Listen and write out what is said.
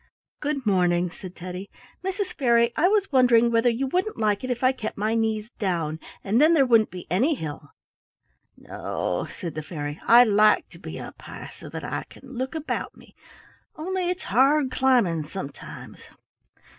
"Good morning," said Teddy. "Mrs. Fairy, I was wondering whether you wouldn't like it if I kept my knees down, and then there wouldn't be any hill." "No," said the fairy, "I like to be up high so that I can look about me, only it's hard climbing sometimes.